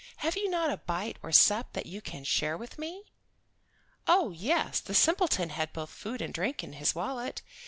"Have you not a bite or sup that you can share with me?" Oh yes, the simpleton had both food and drink in his wallet.